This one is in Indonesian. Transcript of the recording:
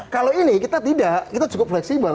kalau ini kita tidak kita cukup fleksibel